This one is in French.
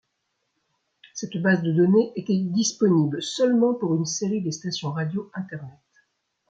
Cette base de donnés est disponible seulement pour une série des stations radio Internet.